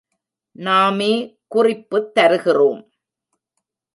நாமே குறிப்புத் தருகிறோம்.